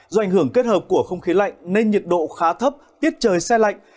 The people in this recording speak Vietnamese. do ảnh hưởng kết hợp của không khí lạnh nên nhiệt độ khá thấp tiết trời xe lạnh